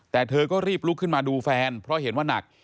แต่เธอก็รีบลุกขึ้นมาดูแฟนเพราะเห็นว่านัก